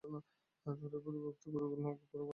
তাঁহারা পূর্বোক্ত গুরুগণ অপেক্ষা অনেক উচ্চে।